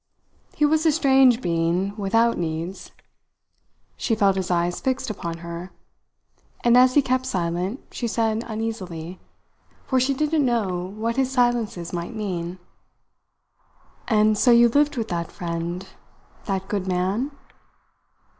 He was a strange being without needs. She felt his eyes fixed upon her; and as he kept silent, she said uneasily for she didn't know what his silences might mean: "And so you lived with that friend that good man?"